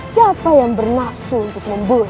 siapa yang bernafsu untuk membunuh